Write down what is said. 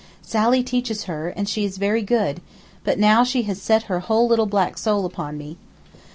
Sally teaches her, and she is very good; but now she has set her whole little black soul upon me.